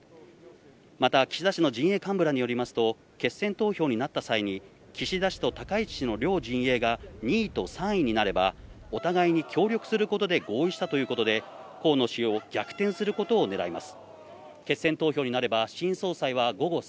また岸田氏の陣営幹部らによりますと、決選投票になった際に岸田氏と高市氏の両陣営が２位と３位になればお互いに協力することで合意したということで河野氏を逆転することを狙います。